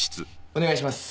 お願いします。